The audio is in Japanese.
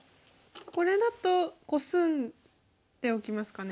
これだとコスんでおきますかね。